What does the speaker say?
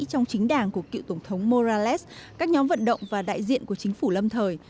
trong chính đảng của cựu tổng thống morales các nhóm vận động và đại diện của chính phủ lâm thời